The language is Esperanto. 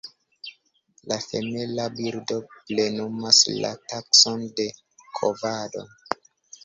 La femala birdo plenumas la taskon de kovado.